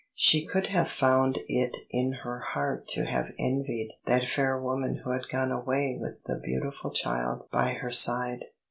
She could have found it in her heart to have envied that fair woman who had gone away with the beautiful child by her side.